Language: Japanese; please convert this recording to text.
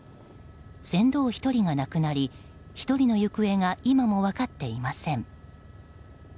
船頭１人が亡くなり１人の行方が今も分かっていません。